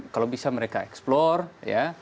kalau bisa mereka eksplor ya